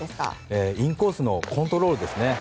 インコースのコントロールですね。